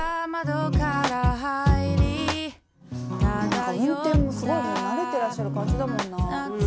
何か運転もすごいもう慣れてらっしゃる感じだもんな。